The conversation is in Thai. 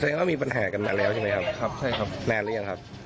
แสดงว่ามีปัญหากันมาแล้วใช่ไหมครับแน่นแล้วยังครับ